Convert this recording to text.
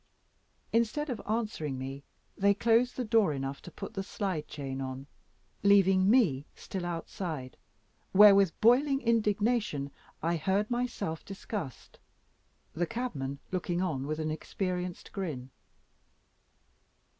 Instead of answering me, they closed the door enough to put the slide chain on, leaving me still outside, where, with boiling indignation, I heard myself discussed; the cabman looking on with an experienced grin.